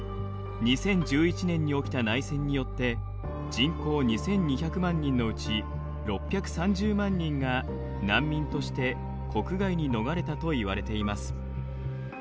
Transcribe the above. ２０１１年に起きた内戦によって人口２，２００万人のうち６３０万人が難民として国外に逃れたといわれています。